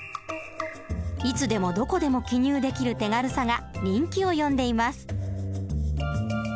いつでもどこでも記入できる手軽さが人気を呼んでいます。